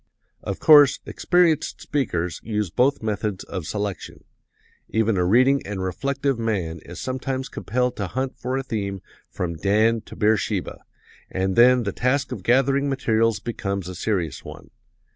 "Of course, experienced speakers use both methods of selection. Even a reading and reflective man is sometimes compelled to hunt for a theme from Dan to Beersheba, and then the task of gathering materials becomes a serious one.